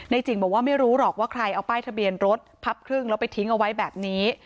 จิ๋งบอกว่าไม่รู้หรอกว่าใครเอาป้ายทะเบียนรถพับครึ่งแล้วไปทิ้งเอาไว้แบบนี้